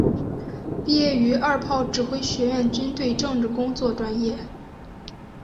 毕业于二炮指挥学院军队政治工作专业。